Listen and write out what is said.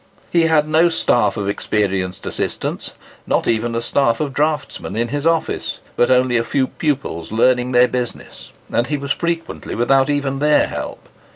He had no staff of experienced assistants,—not even a staff of draughtsmen in his office,—but only a few pupils learning their business; and he was frequently without even their help.